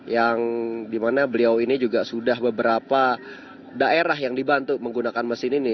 yang dimana beliau ini juga sudah beberapa daerah yang dibantu menggunakan mesin ini